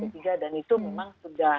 t tiga dan itu memang sudah